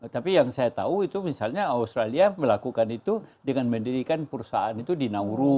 tapi yang saya tahu itu misalnya australia melakukan itu dengan mendirikan perusahaan itu di nauru